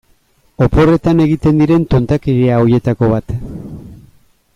Oporretan egiten diren tontakeria horietako bat.